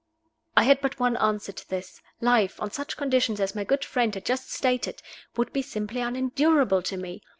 I had but one answer to this. Life, on such conditions as my good friend had just stated, would be simply unendurable to me.